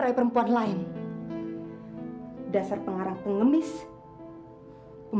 tapi sekarang saya pengen berparti sosial